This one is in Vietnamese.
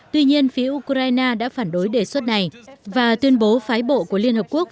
tuy nhiên phía ukraine đã phản đối đề xuất này và tuyên bố phái bộ của liên hợp quốc